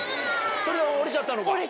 それで折れちゃったのか？